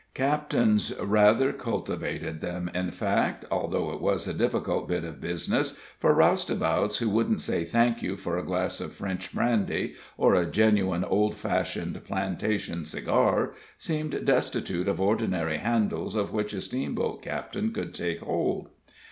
Captains rather cultivated them, in fact, although it was a difficult bit of business, for roustabouts who wouldn't say "thank you" for a glass of French brandy, or a genuine, old fashioned "plantation cigar," seemed destitute of ordinary handles of which a steamboat captain, could take hold.